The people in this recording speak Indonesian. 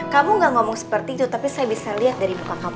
kamu gak ngomong seperti itu tapi saya bisa lihat dari muka kamu